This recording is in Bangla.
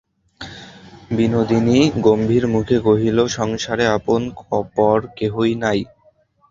বিনোদিনী গম্ভীরমুখে কহিল, সংসারে আপন-পর কেহই নাই।